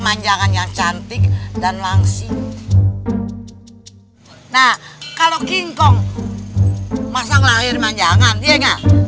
manjangan yang cantik dan langsing nah kalau kingkong masa ngelahir manjangan iya nggak